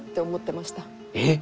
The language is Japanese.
えっ！？